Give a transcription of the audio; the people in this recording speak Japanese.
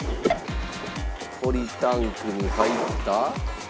ポリタンクに入った。